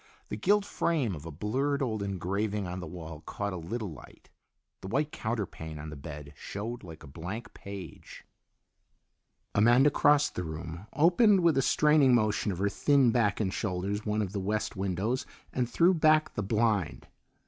The gilt frame of a blurred old engraving on the wall caught a little light. The white counterpane on the bed showed like a blank page. Amanda crossed the room, opened with a straining motion of her thin back and shoulders one of the west windows, and threw back the blind.